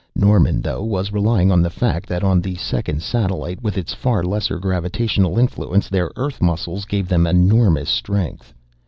Norman, though, was relying on the fact that on the second satellite, with its far lesser gravitational influence, their Earth muscles gave them enormous strength.